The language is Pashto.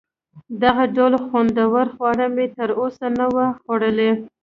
دغه ډول خوندور خواړه مې تر اوسه نه وه خوړلي.